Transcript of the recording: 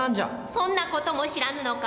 そんな事も知らぬのか。